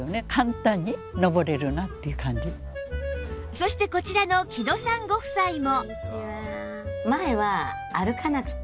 そしてこちらの木戸さんご夫妻も